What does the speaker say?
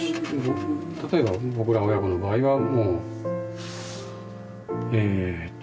例えば僕ら親子の場合はもうえっと